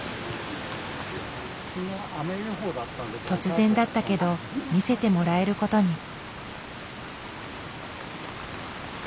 突然だったけど見せてもらえることに。